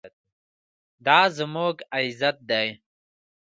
دا زموږ عزت دی؟